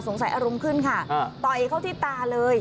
อารมณ์ขึ้นค่ะต่อยเข้าที่ตาเลย